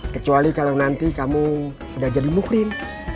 kecuali kalau nanti kamu udah jadi muklim